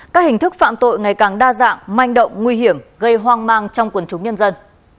các hình thức phạm tội ngày càng đa dạng manh động nguy hiểm gây hoang mang trong quần chúng nhân dân